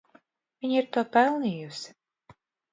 Viņa ir to pelnījusi.